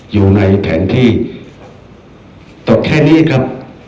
อยู่ในแผนที่ตอบแค่นี้ครับ